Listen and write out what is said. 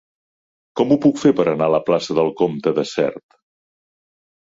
Com ho puc fer per anar a la plaça del Comte de Sert?